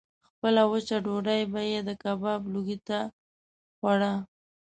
خپله وچه ډوډۍ به یې د کباب لوګي ته خوړه.